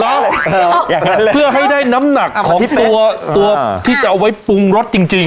อย่างนั้นเลยเพื่อให้ได้น้ำหนักของตัวตัวที่จะเอาไว้ปรุงรสจริง